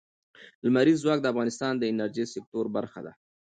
لمریز ځواک د افغانستان د انرژۍ سکتور برخه ده.